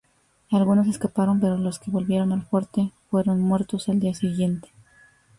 Algunos escaparon, pero los que volvieron al fuerte, fueron muertos al día siguiente.